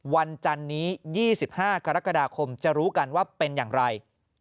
จันนี้๒๕กรกฎาคมจะรู้กันว่าเป็นอย่างไร